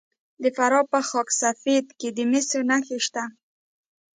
د فراه په خاک سفید کې د مسو نښې شته.